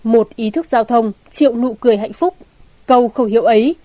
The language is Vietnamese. một ý thức giao thông triệu nụ cười hạnh phúc câu khẩu hiệu ấy